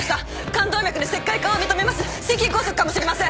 冠動脈に石灰化を認めます。